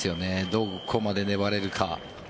どこまで粘れるか。